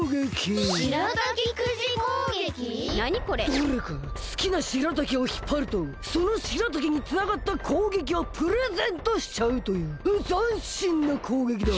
どれかすきなしらたきをひっぱるとそのしらたきにつながった攻撃をプレゼントしちゃうというざんしんな攻撃だ！